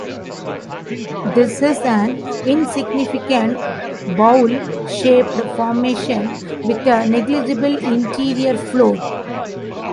This is an insignificant, bowl-shaped formation with a negligible interior floor.